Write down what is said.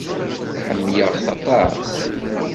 Ḥemmleɣ-t aṭas.